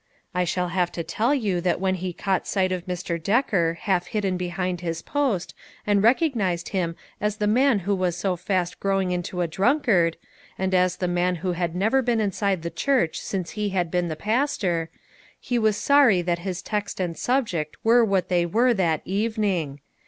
I shall have to tell you that when he caught sight of Mr. Decker half hidden behind his post and recognized him as the man who was so fast growing into a drunk ard, and as the man who had never been inside the church since he had been the pastor, he was sorry that his text and subject were what they were that evening.